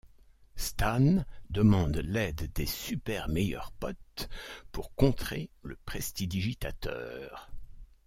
Stan demande l'aide des Super Meilleurs Potes pour contrer le prestidigitateur.